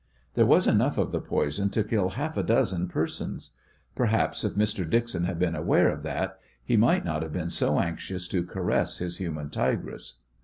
There was enough of the poison to kill half a dozen persons. Perhaps if Mr. Dixon had been aware of that he might not have been so anxious to caress this human tigress.